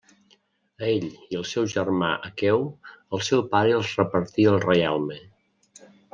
A ell i al seu germà Aqueu el seu pare els repartí el reialme.